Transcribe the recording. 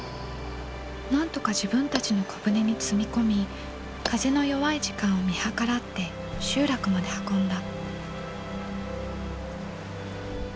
なんとか自分たちの小舟に積み込み風の弱い時間を見計らって集落まで運んだ。